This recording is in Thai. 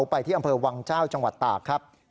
ไปที่อำเภอวังเจ้าจังหวัดตากครับ